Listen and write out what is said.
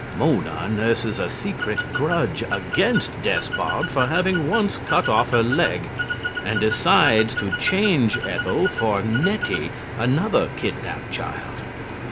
Mona nurses a secret grudge against Despard for having once cut off her leg and decides to change Ethel for Nettie, another kidnapped child.